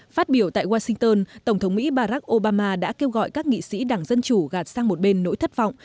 phát biểu tại washington tổng thống mỹ barack obama đã kêu gọi các nghị sĩ đảng dân chủ gạt sang một bên nỗi thất vọng